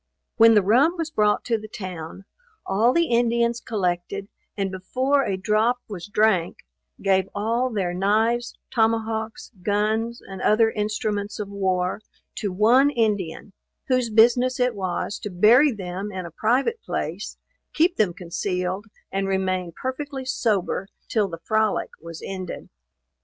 When the rum was brought to the town, all the Indians collected, and before a drop was drank, gave all their knives, tomahawks, guns, and other instruments of war, to one Indian, whose business it was to bury them in a private place, keep them concealed, and remain perfectly sober till the frolic was ended.